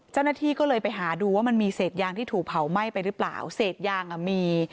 เจ้าหน้าที่ก็เลยไปหาดูว่ามันมีเศษยางที่ถูกเผาไหม้ไปหรือเปล่าเศษยางอ่ะมี